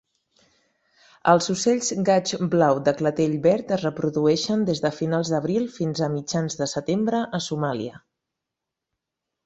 Els ocells gaig blau de clatell verd es reprodueixen des de finals d'abril fins a mitjan setembre a Somàlia.